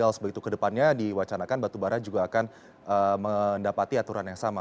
kalau sebegitu kedepannya diwacanakan batubara juga akan mendapati aturan yang sama